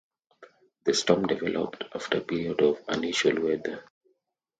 The storm developed after a period of unusual weather.